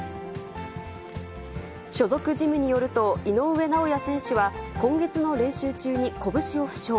所属ジムによると、井上尚弥選手は今月の練習中に拳を負傷。